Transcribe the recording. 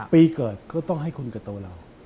ปีเกิดก็ต้องให้คุณกับตัวเรา